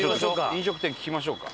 飲食店聞きましょうか。